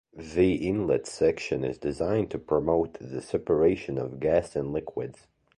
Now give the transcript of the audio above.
The inlet section is designed to promote the separation of gas and liquids.